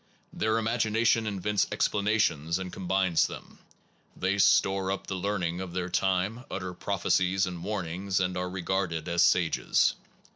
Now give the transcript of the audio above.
Their imagination invents explanations and com bines them. They store up the learning of their time, utter prophecies and warnings, and are regarded as sages.